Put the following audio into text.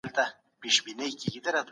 شتمن خلګ به د زکات په ورکولو خوشحاله سي.